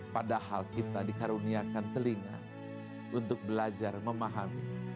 padahal kita dikaruniakan telinga untuk belajar memahami